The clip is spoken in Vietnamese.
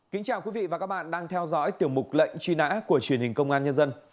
kính chào quý vị và các bạn đang theo dõi tiểu mục lệnh truy nã của truyền hình công an nhân dân